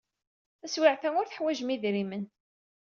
Taswiɛt-a, ur teḥwajem idrimen.